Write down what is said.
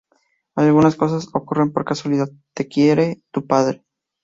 Algunas cosas ocurren por casualidad… …Te quiere, tu padre.